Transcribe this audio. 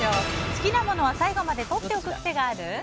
好きなものは最後までとっておく癖がある？